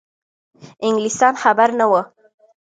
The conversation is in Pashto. انګلیسیان خبر نه وه.